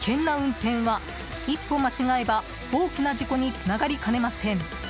危険な運転は一歩間違えば大きな事故につながりかねません。